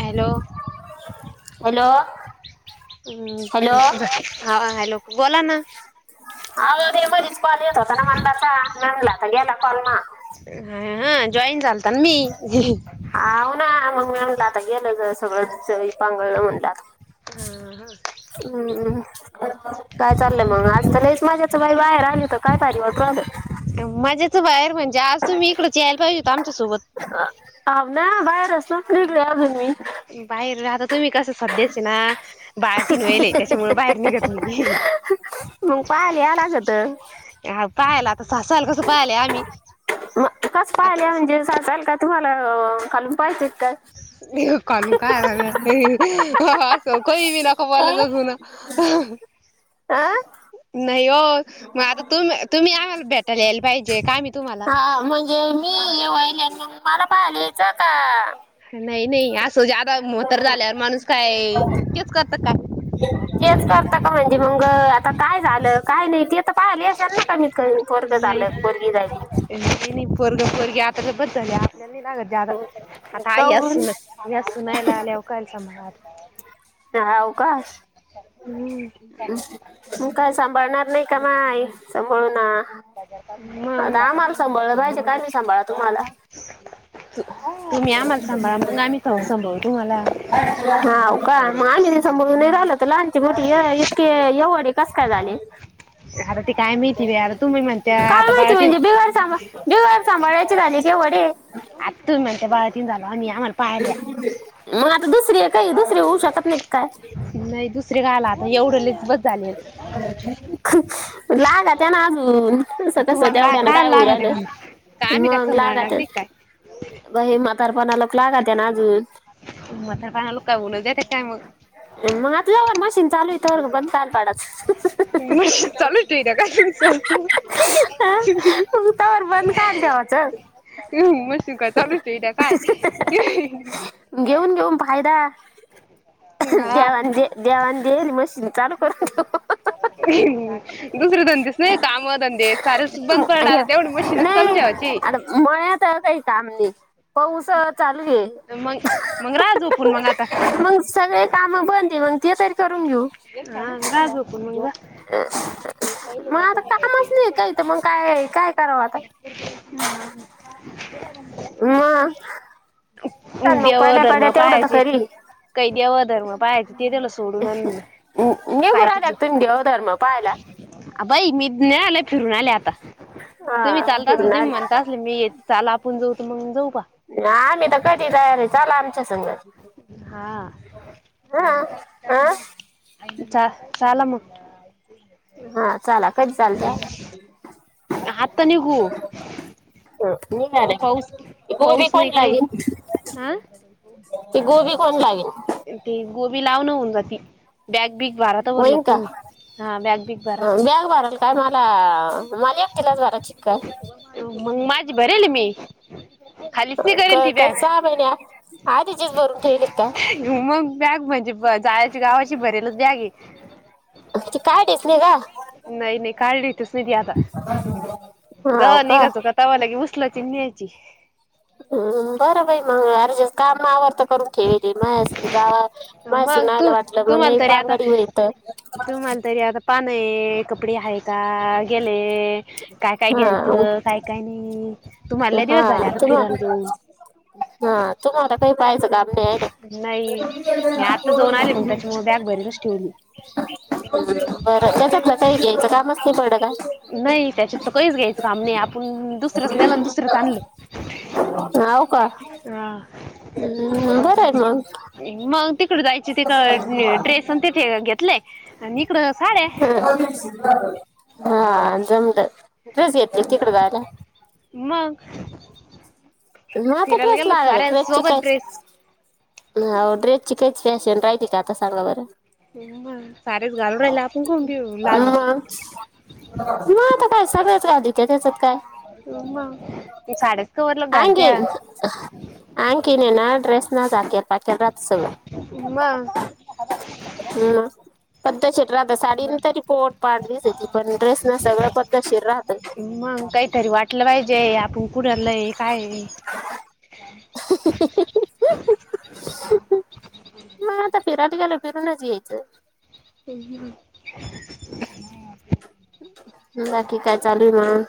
Hello hello. हम् hello ह ह लोक बोला ना ह ते मधच कॉल येत होता ना म्हणतासा नला तर गेला कॉल म हा जॉईन चालत मी हाव ना मग म्हणलं आता गेलं ज सगळं पांगलं म्हणलं. हम् काय चाललंय मग आजलच माझ्याच बाई बाहेर. काय परिव प्रॉबलेम. माझ्याचं बाहेर म्हणे आज तुम्ही इकडं यला पाहिज. म बाहेर रसून फ्रीकलेजून मही. बाहेर राहता तुम्ही कसं स्याचे ना. बाळंतीण व्हएल ये, याच्यामुळे बाहेर निघत नई मग पाहिले याया लागतं पाहायला आता सासाल कसं पाहायला आम्ही मग कसं आता पाहायला याल म्हणजे म्हणजे [unintelligible] का तुम्हाला ह.. काल [unintelligible] काय [unintelligible] असं काई बी नका अ बोलं जाऊ जुनं.. अहं अं न नाई ओ, मग आता तुम्... तुम्ही आम्हाला भेटायला यायला पाहिजे, का आमी तुम्हाला? तुम्ही [unintelligible] मला पाहायला यायचं आता नई नई सो ज्यादा मोहातार झाल्यावर माणूस काय इतकंच करतंय काय? तेच करता का म्हणजे मग... आता काय झालं, काय नाही ते तर पाहाला येसाल ना कमीत कमी, पोरगं झालं, की पोरगी झाली नपर्ग पर्ग आत बले आपल्यानगत जा आता आई अस काऊन सुना सुनायला आव कालच मला आ ह का हम्म म काय सांभाळणार. नाही का मा सभळून मग आता आम्हाला सांभाळलं पाहिज काय मी सांभाळा तुम्हाला. तुम्ही आम्हाला सांभाळा मग आम्ही खऊ संभवू तुम्हाला. हो का मग आम्ही त सून नाही राहिल तर लहानचे मोट इतके एवढ कस काय झाले. आता ते काय माहिती बी आता तुम्ही म्हणत्या काय आता म्हायती बाळतीन म्हणजे, बिगर सामा... बिगर सांभाळायचे झाले की [unintelligible] आ.. तू म्हणते बाळातीन झालो आणिआमाला पाहा मग... आता दुसरी ए काही दुसरी होऊ शकत नाई का काय नाही दुसरे गाला आता एवढं लईच बस झाले हुं... लागात्या ना अजून तसं कसं तुम्हाला तेवढ्यानं काय होऊ लागत राहिलं, आहे का काय आम्ही काय मग सांभाळणार लागतं... नाही काय बाई म सरपणाला [unintelligible] लागत्या ना अजून म्हातारपणा लोक काय बोलत जाते काय मग मग आता जवर मशीन चालू ए [unintelligible] [unintelligible] मशीन चालू ए का काय तुमचं? हु र बंद [unintelligible] देवाचं [unintelligible] का काय, हुं देवानं... देवानं दिलेली मशीन चालू करून ठिव [unintelligible] दुसरे धंदेच नाही, काम धंदे सारेच बंद पडले आता, तेवढी मशीनच चालू ठेवायची अन मळयातही काही काम नाई, पाऊस चालू ये मग मग राहा हुं झोपून मग आता हुं, मग सगळे कामं बंद ए मग ते तरी करून घीऊ हा... रहा झोपून मग जा [unintelligible] मग आता कामच नाई काही तर मग काय, काय करावं आता हा मग चाल मग देव... पाड्या धर्म पाड्या तेवढं तर पाहायचे, खरी काही देवं धर्म पाहायची, ते दिलं सोडून अन नि- निघू काय [unintelligible] राहिल्या अं... का तुम्ही देवधर्म पाहायला बाई... मी [unintelligible] फिरून आले आता तुम्ही हा चालत असला, फिरून तुम्ही म्हणता आले असला, मी चाला आपण जाऊ, तर मग जाऊ बा अं... आम्ही तर कधीही तयार है, चला आमच्या संग हा हा हा [unintelligible] चा, चाला मग हा चाला, कधी चालत्या आत्ता निघू हा निघाले पाऊस [unintelligible] पाऊस कोण नाही काही लागेल? हा ती गोबी कोण [unintelligible] ते गोबी लाव न होऊन जाती बॅग बीग भाराात वरलोक तुम्ही हा बॅग बिग भरा अ बॅग भरल काय मला मला एकटलाच भराय चिक्काय मंग माझी भरेल मी खालीच नाही करेल ती काही बॅग सहा महिन आधीचेच भरून ठेवल का? मग बॅग म्हणजे जायची गावाची भरलच बॅग आहे. ती काढीच नाही का नाही नाही काढली तच नाहीधी आता हा हो जा निघायचो का तवाला की उसलाची न्यायची हम बरं बाई मग अरे ज काम आवरत. करून ठेली माझस जावा मग माझसूनयला तू वाटलं मण तुम्हाला तरी आता बांगडी म्हत. तुम्हाला तरी आता पान कपडे आहे का? ता गेले काय काय हा घ्यायचं काय काय नाही. तुम्हाला लय हा दिवस झाले आता तुम्हा फिरायला जाऊन हा तुम्हाला आला काही पाहाचं. नाही मी आता जाऊन आले मग त्याच्यामुळे बॅग भरीलच ठेवली [unintelligible] [unintelligible] बरं, त्याच्यातलं कई घ्यायचं कामच नई पडत नाही, त्याच्यात तर कहीच घ्यायचं काम नई, आपण दुसरंच नेलं आणि दुसरंच आणलं हाव का, ह अन.. बरं ये मग तिकडं जायची, तिथं ड्रेस अन् तिथे घेतले, अन् इकडं ती [unintelligible] हा, जमतं ड्रेस घेतलेत तिकडं जायला मग मता फिरायला ड्रेस गेलो लाग, साऱ्या ड्रेस ची सोबत कायच ड्रेस हं ड्रेस िकच फॅशन राहते का आता सांगा बरं. हो, सारेच घालून राहिले, आपण कोण घेऊ, लाजच म आता काय सगळ्याच घालीत्यात, त्या त्याच्यात काय? ते साड्याच कवर लोक घालत्या. अकीन, अनखीन ये ना ड्रेस न झाक्यात पकेात सळ [unintelligible] हम्. पद्धतशीर राहत, साडीन तरी पोट, पाट दिसती पण ड्रेस न सगळं पद्धतशीर राहत. काहीतरी वाटलं पाहिजे, आपण पुढरलंय काय? हहहह. मग आता फिरत गेल फिरूनच यायचं. ह. मी बाकी काय चालूय म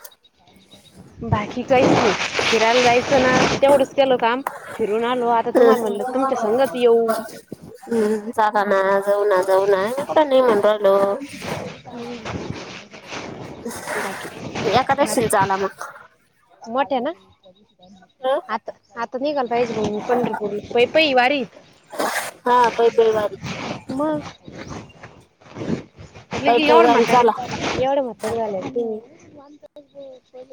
बाकी काहीच नाही, फिरायला जायचं ना तेवढंच केलं काम, फि घेऊन आलो आता, तुम्हाला म्हणलं तुमच्या संगत येऊ. जागा ना, जाऊ ना, जाऊ ना, मी कूटं नाही म्हणू राहिलो. बाकी एखाद्याशील चला मग. मोठ्या ना हं आता, आता निघाल पाहिजे भाऊ पंढरपूर पै पई वारीत. हा पै पै वाारी मग म पै पै एवढी वारी म्हातारी, चाला एवढं म्हातारी झाले तू म,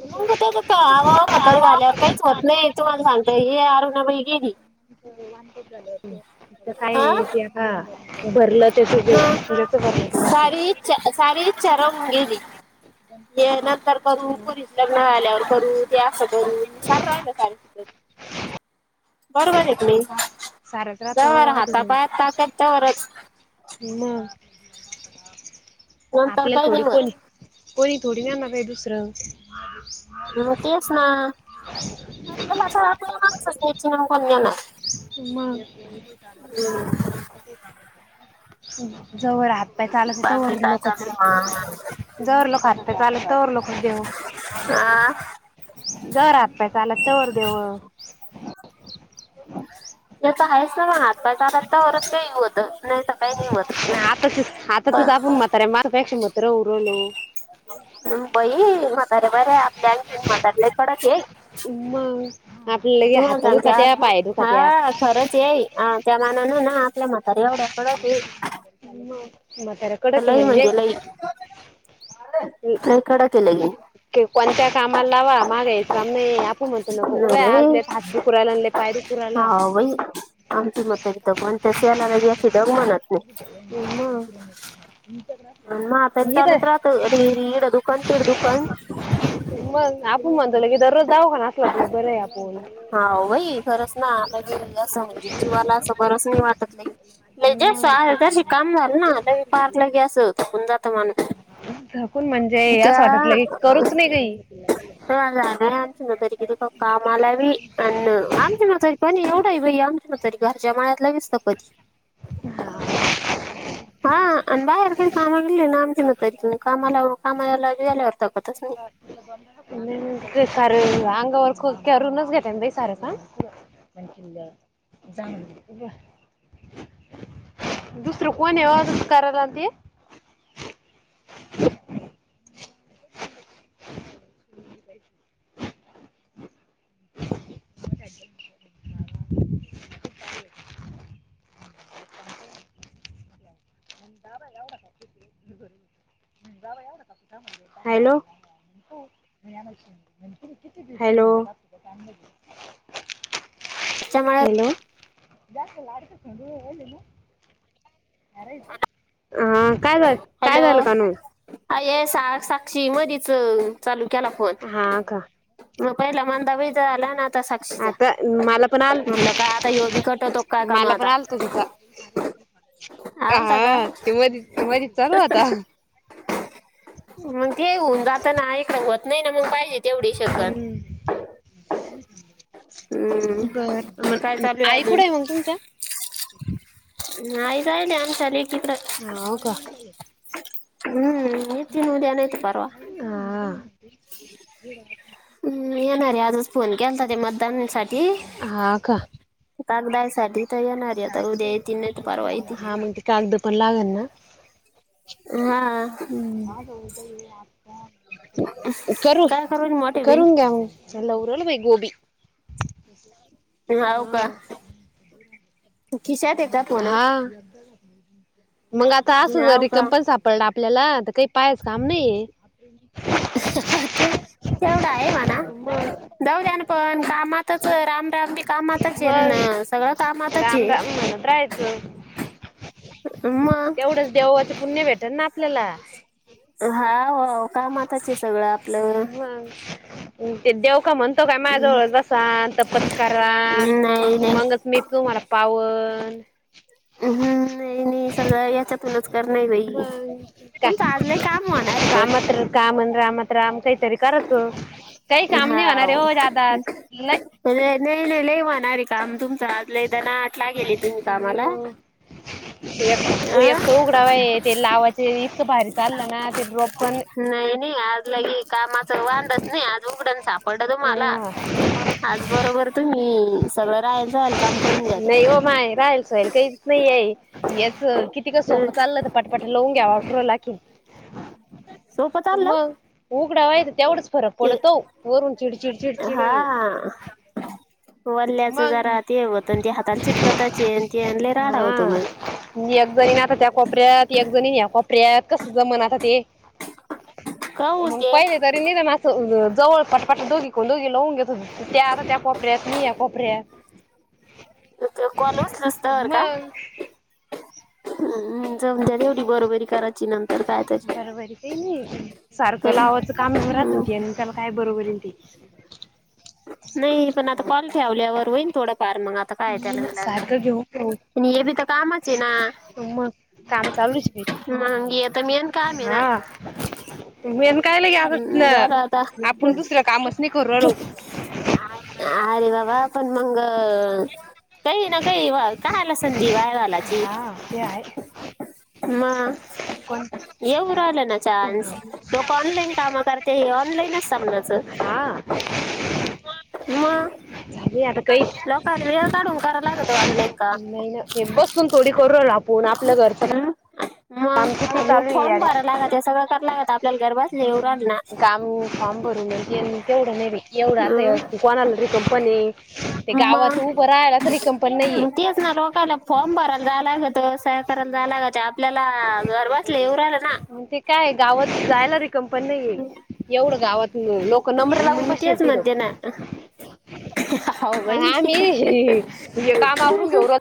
म ग त्याचा आवावा खतर झाल्यावर काहीच होत नाही, तुमाला सांगता हे अरुणाबाई गेलीऽ हा काय ते आता भरलं. त्याचच मग कर जातं. चरवून गेली, यानंतरूपरी लग्न आल्यावर करू, ते असं करू, सारं राहिल स बरोबर आहे. सारच राहत जर अधून हातापाया ताकत तवरच [unintelligible] नंतर आपल्याला काही नाही थोडी कोणी,, होत कोणी थोडी नेणार य दुसरंऽ अ तेच ना,, आपल्याला आपल्याला माच त्याची ना कोणनाऽ मग, जवर हातपाय चालत बाकी तवर काय लोकच, चालू आहे मग जवर लोक हात पय चालत तर लोकच देऊऽ हा, जवर आात पय चाला तवर देवऽ याच तर आहेच ना, म आत प लाता वच का होतऽ आतच, पण आतातच आपण मातारे मापेक्ष मातर उन रायलोऽ ह् बई, म्हातारे बरे, आपल्या अंनखीन म्हातारले कडक हेऽ मग, आपल्या लगे तू हात दुखात्या स,, पाय दुखात्या. हा खरंच येई, त्या मानान ना आपल्या मतऽ सर एवढ्या कडक एऽ मातार कडकीे लई म्हणजेऽ म्हणजे लई लई कडक आहे लई ह्के, कामाला लावा मागा याच राम नाही आपण म्हणतो नको नाही उभ्या आजलेत बाई हात दु कुरायला आणले पायरी करायला. हा आमची मतारी तरण त्या श यालालागी अशी डग म्हणत. नाही हो ना. [inaudible] क आणि म्हातारी चालूच राहतं रे रे इड दुकान तिड दुकान दररोज जाऊ ख असला त बरे या आपोण. हा भाई खरंच ना आ असं आहे जे जीवाला असं बरंच नाही वाटत नाही. म्हज सर तशी काम झालं ना मी पार्लागे अस होतो. कून म्हणजे याच वाटटलं की करूच नाही काही. आमच न तरी किती कामाला बी अ् आमच न तरी पण एवढ. भ आमच्या ना तरी घरच्या माळ्यातला विसत कध. [inaudible] हा अ बारक सामग्रील नाम तिनयतन कामला कामलाला वरतात. तार. अंग वररूनच घेते ब साराच. म्हण केेलं जाांलं. दुसरं कोण व तस करा लाते. [inaudible] हॅलो. हॅलो. घरच्या माळ्यात हॅलो जातलाू ना. हरयच. काय झा काय झालं कानून. हा ये सा साक्षी मधच चालू केला फोन. हा का म पहिला मग. आताी तर आला ना आता साक्षीचा आता मला पण आल म्हणटलं काय आता य बी कट होतो काय काणू मला पण आता. आलत हा आलता का ते म मध्ये चालू आता. मग तेऊन जाताना रंगवत नाही ना मग पाहिजे तेवढी शगत. हम्म. हम्म बर काय मग चालू आई अजून? कुठे आहे मग तुमच्या. य कायले आम ल एकित्र हो का हम्. त उद्या नाही येत परवा. हा [inaudible] हम्म येणारे आजच फोन केला तर ते मतदान सा. हा का कागदायसाठी तर येणार आता उद्या येत नाही त परवा येते. पलागर ना. हा. हम्म करू काय राहिली मोठी बहीण? करून घ्या मला उरल बे. गोबी. होव का. हा खिश्याात यदा फोन. हा मग आता अस ज हाव र का कंपल सापडला. आपल्याला आता काही पायाच काम नाही आहे. ते तेवढा आहे म्हणा. जाऊ द्या ना पण कामातच राम. दी कामातच आहे ना मग सगळं कामातच राम आहे. राम म्हणत राहायचं मग तेवढंच देवाच पुण्य भेटल ना आपल्याला. हाव कामताचे. मग ते दव. म्हणतो काय माझ्या जवळ जसा तपत्कार नाही नाही मगच मी तुम्हाला पाव. बन. म्म नाही नाही सगळं याच्यातूनच. करणार बाई म का तुमचं आज लय काम होणार आहे पण कामात कामन रामात राम काहीतरी का. कस हाव. लय पहिले नाही नाही लै वान होणार ये काम तुमच आज लई दनाआट लागेल ये तुम्ही नाही कामाला. हो एक अं तर ऊघडावा आहे ते लावाचे इतकं भारी चाललं ना ते ड्रॉप पण नाही नाही लगे कामाच वाध नाही आज उघड सापडलं तुम्हाला हा आज बरोबर तुम्ही ह सगळं राहेल सेल काम करून घ्या त्या नाही हो माय राहाल सय काहीच नाही याच किती का सोपं हं. चाललं तर पटपाट लावून घ्याव पुढ [unintelligible] सोप चाललं उघडावा ये तर तेवढच फरक ते पडतो वरून चिडचिडचिडचिड वल्ल्याच जरा ते होतन आणि ते हाताला चिटकताच ये ते ते लई राडा होतो मग. मी एक जाईण आता त्या कोपऱ्यात एक जणी या कोपऱ्यात कस जमान आता ते काऊन मग ते पहिले तरी निघणं नामा जवळ पटपाट दोघी दोघी लावून घेतो त्या आता त्या कोपऱ्यात मी या कोपऱ्यात कॉल उचलस तवर का मग हम् जाऊनद्या तेवढी बरोबरी कराय बरोबर का नाही सारखं पण लावाचं काम राहतन हम्म. ते त्याला काय बरोबर येईन ती नाही पण आता कॉल ठेवल्यावर होईन थोडा फार मग आता काय नाही त्याला ना इलाज नाही सारखं घेऊ आणि हे बी तर कामच हे ना मग काम चालूच ये मंग हे तर मेन काम ये ना मेन कायला हम्म, झालं आता [unintelligible] आपण दुसर्या कामच नाही करु रायलो अरे बाबा पण मग काही ना काही कायला संधी वाय हा ते आहे म कोण येऊ राहिलं ना चान्स लोक ऑनलाईन काम करते हे ऑनलाईनच हा समजायचं म झाले आता काही करावं लागत ऑनलाईन का नाही ना हे बसून थोडी करु रायलो आपूण आपलं घरचं हम्म काम किती मग चालू फॉर्म भरायला अरे लागत सगळं करायला लागत आपल्याला घर बसले येऊ राहिलं ना काम काम ब करून टेन [unintelligible] तेवढं नहि बाई एवढा आता, ते हम्म कोणाला रिकाम पन ये ते मग गावात उभं राहायालाच रिकाम पण नाहीये. लोकाला फॉर्म भरायला जाया लागत, सह्या करायला जाया लागत आपल्या ला घर बसल्या येऊ राहीलं ना. मग ते काय गावात जायला रि कंपनी नाही, एवढं गावात लोकं नंबरा मग लावून मी बसेल तेच तिथं. म्हणते ना हो आणि आम्ही बाई हे हे काम आवरून घेऊ र